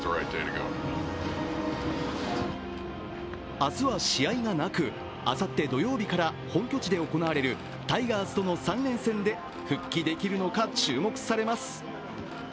明日は試合がなく、あさって土曜日から本拠地で行われるタイガースとの３連戦で復帰できるのか注目されます。